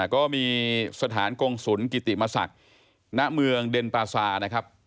ก็มีสถานกงศุลกิติมศักดิ์ณเมืองเดนปาซานะครับ